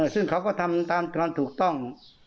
ซึ่งเขาก็ทำตามความถูกต้อง